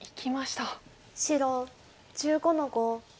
白１５の五。